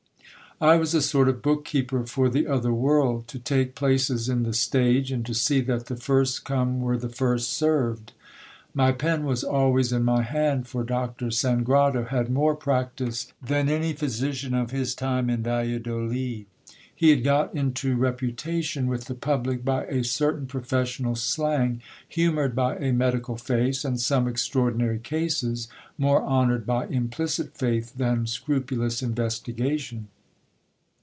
I was a sort of book keeper for the other world, to take places in the stage, and to see that the first come were the first served. My pen was always in my hand, for Doctor Sangrado had more practice than any physician of his time in Valladolid. He had got into repu GIL BLAS IN SANGRADOS SERVICE. 47 ::.• on with the public by a certain professional slang, humoured by a medical I some extraordinary cases, more honoured by implicit faith than scru pulous investigation.